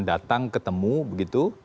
datang ketemu begitu